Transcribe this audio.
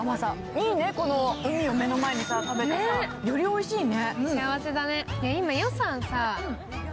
いいね、この海を目の前に食べて、よりおいしいね。